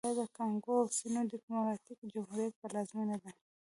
دا د کانګو اوسني ډیموکراټیک جمهوریت پلازمېنه ده